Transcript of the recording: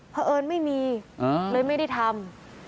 เพราะเอิญไม่มีเลยไม่ได้ทำ